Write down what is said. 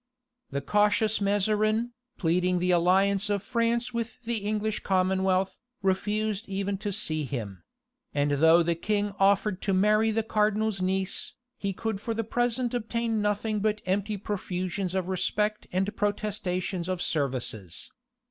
The cautious Mazarine, pleading the alliance of France with the English commonwealth, refused even to see him; and though the king offered to marry the cardinal's niece,[*] he could for the present obtain nothing but empty profusions of respect and protestations of services.